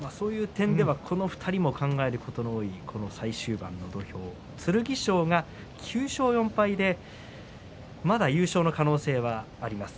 そういう点ではこの２人も考えることの多い最終盤の土俵剣翔が９勝４敗でまだ優勝の可能性はあります。